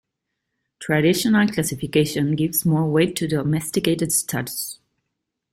Traditional classification gives more weight to domesticated status.